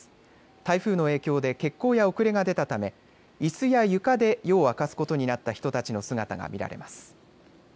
台風の影響で欠航や遅れが出たためいすや床で夜を明かすことになった人たちの姿が見られます。